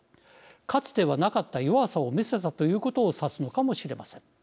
かつてはなかった弱さを見せたということを指すのかもしれません。